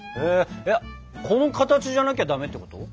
この形じゃなきゃダメってこと？